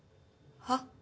はっ？